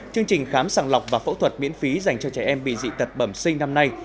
chương trình khám sàng lọc và phẫu thuật miễn phí dành cho trẻ em bị dị tật bẩm sinh năm nay